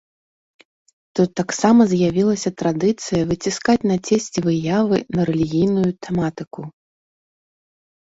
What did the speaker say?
Тут таксама з'явілася традыцыя выціскаць на цесце выявы на рэлігійную тэматыку.